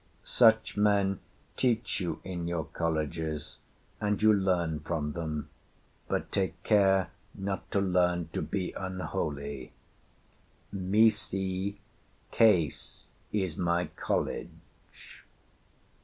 Such men teach you in your college, and you learn from them, but take care not to learn to be unholy. Misi, Case is my college.